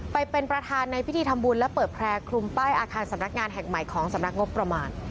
ไปเป็นประธานในพิธีทำบุญและเปิดแพร่คลุมป้ายอาคารสำนักงานแห่งใหม่ของสำนักงบประมาณ